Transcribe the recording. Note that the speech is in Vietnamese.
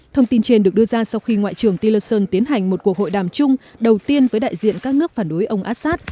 thông tin trên được đưa ra sau khi ngoại trưởng tilleron tiến hành một cuộc hội đàm chung đầu tiên với đại diện các nước phản đối ông assad